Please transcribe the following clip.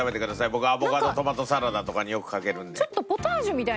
僕アボカドトマトサラダとかによくかけるんで。